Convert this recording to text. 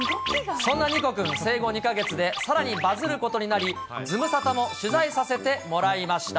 そんなニコくん、生後２か月でさらにバズることになり、ズムサタも取材させてもらいました。